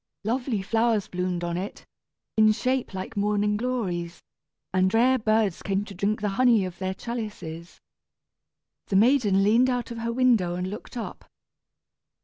Lovely flowers bloomed on it, in shape like morning glories, and rare birds came to drink the honey of their chalices. The maiden leaned out of her window and looked up.